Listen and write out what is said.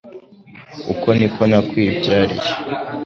uko ni ko nakwibyariye